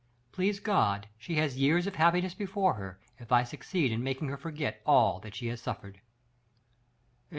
"Please God she has years of happiness before her, if I succeed in making her forget all that she has suffered."